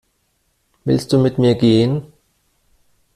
Willst du mit mir gehen?